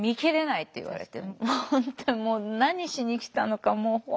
もう本当もう何しに来たのかもう。